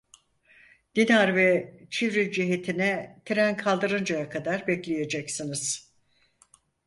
Dinar ve Çivril cihetine tren kaldırıncaya kadar bekleyeceksiniz.